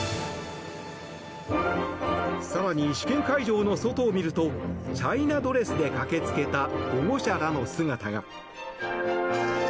更に試験会場の外を見てみるとチャイナドレスで駆け付けた保護者らの姿が。